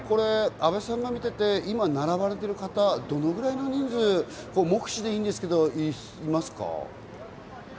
阿部さんが見ていて、今並ばれている方、どのぐらいの人数、目視でいいですがいますか？